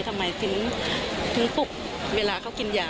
ทำไมถึงปลุกเวลาเขากินยา